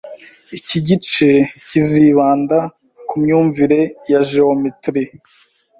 Iki gice kizibanda ku myumvire ya geometrie.